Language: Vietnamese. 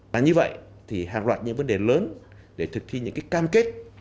là như vậy thì hàng loạt những vấn đề lớn để thực thi những cam kết